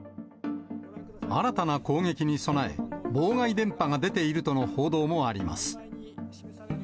新たな攻撃に備え、妨害電波が出ているとの報道もあります。